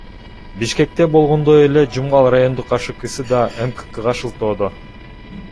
Бишкекте болгондой эле Жумгал райондук АШКсы да МККга шылтоодо.